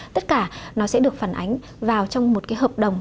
tất cả nó sẽ được phản ánh vào trong một cái hợp đồng